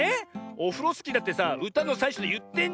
オフロスキーだってさうたのさいしょでいってんじゃん。でしょ。